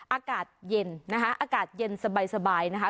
อากาศเย็นนะคะอากาศเย็นสบายนะคะ